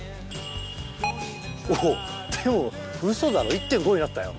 おっでもウソだろ１．５になったよ。